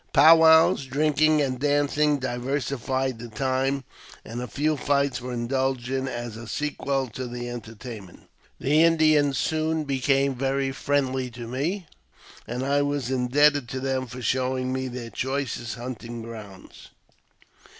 Pow wows, drinking, and dancing diversified the time, and a few fights were indulged in as a sequel to the entertainment. The Indians soon became very friendly to me, and I was indebted to them for showing me their choicest hunting grounds.